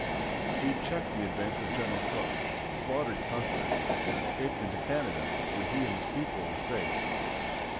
He checked the advance of General Crook, slaughtered Custer, and escaped into Canada, where he and his people were safe.